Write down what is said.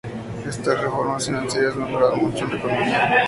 Estas reformas financieras mejoraron mucho la economía.